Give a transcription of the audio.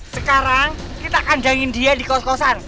sekarang kita kandangin dia di kos kosan